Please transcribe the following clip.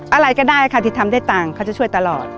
อะไรก็ได้ค่ะที่ทำได้ต่างเขาจะช่วยตลอด